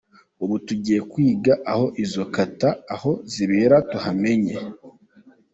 Ubu tugiye kwiga aho izo kata aho zibera tuhamenye”.